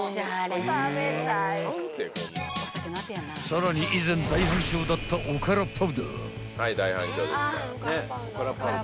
［さらに以前大反響だったおからパウダー］